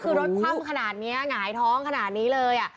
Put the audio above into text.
คือรถคว่ำขนาดนี้หงายท้องขนาดนี้เลย